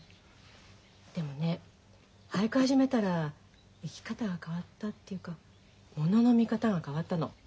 でもね俳句始めたら生き方が変わったっていうかものの見方が変わったの。